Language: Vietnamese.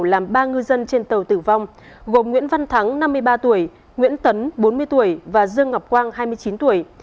làm ba ngư dân trên tàu tử vong gồm nguyễn văn thắng năm mươi ba tuổi nguyễn tấn bốn mươi tuổi và dương ngọc quang hai mươi chín tuổi